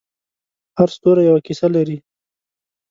هر ستوری یوه کیسه لري.